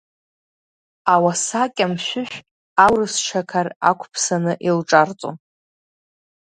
Ауаса кьамшәышә аурыс шьақар ақәԥсаны илҿарҵон.